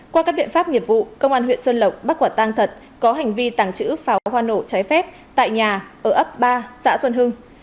qua các biện pháp nghiệp vụ công an huyện xuân lộc bắt quả tăng thật có hành vi tàng trữ pháo hoa nổ trái phép tại nhà ở ấp ba xã xuân hưng